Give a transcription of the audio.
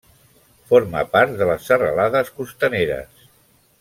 Forma part de les Serralades Costaneres.